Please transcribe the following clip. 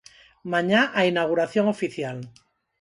Mañá, a inauguración oficial.